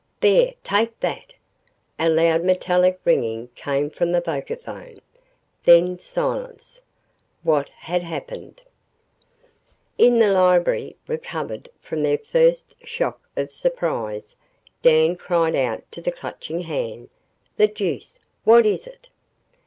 "There take that!" A loud metallic ringing came from the vocaphone. Then, silence! What had happened ........ In the library, recovered from their first shock of surprise, Dan cried out to the Clutching Hand, "The deuce. What is it?"